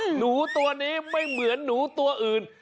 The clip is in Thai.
หนูตัวนี้ไม่เหมือนหนูตัวอื่น